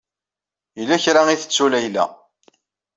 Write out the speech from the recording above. Yella kra ay tettu Layla.